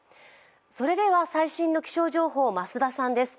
それでは最新の気象情報を増田さんです。